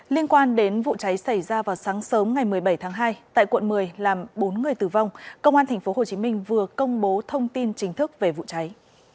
liên quan đến vụ cháy xảy ra vào sáng sớm ngày một mươi bảy tháng hai tại quận một mươi làm bốn người tử vong công an tp hcm vừa công bố thông tin chính thức về vụ cháy